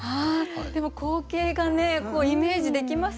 でも光景がねイメージできますね。